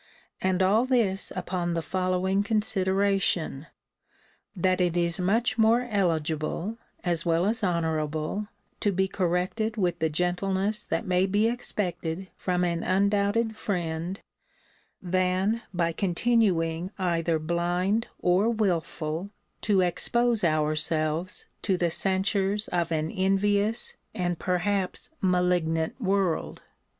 And all this upon the following consideration; 'that it is much more eligible, as well as honourable, to be corrected with the gentleness that may be expected from an undoubted friend, than, by continuing either blind or wilful, to expose ourselves to the censures of an envious and perhaps malignant world.'